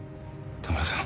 田村さん！